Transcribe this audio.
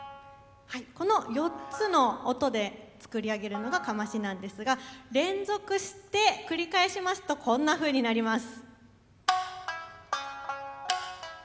この４つの音で作り上げるのがカマシなんですが連続して繰り返しますとこんなふうになります。